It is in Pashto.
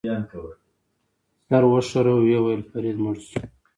سر وښوراوه، ویې ویل: فرید مړ شو.